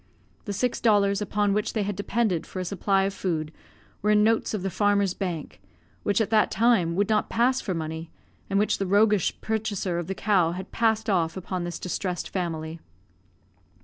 The six dollars upon which they had depended for a supply of food were in notes of the Farmer's Bank, which at that time would not pass for money, and which the roguish purchaser of the cow had passed off upon this distressed family.